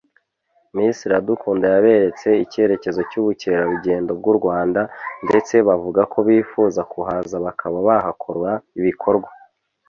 Miss Iradukunda yaberetse icyerekezo cy’ubukerarugendo bw’u Rwanda ndetse bavuga ko bifuza kuhaza bakaba bahakora ibikorwa